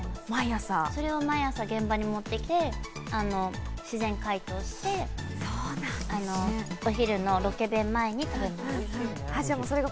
それを毎朝現場に持ってきて自然解凍して、お昼のロケ弁前に飲みます。